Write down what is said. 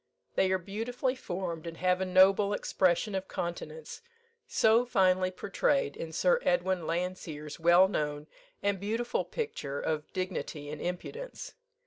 They are beautifully formed, and have a noble expression of countenance, so finely portrayed in Sir Edwin Landseer's well known and beautiful picture of "Dignity and Impudence."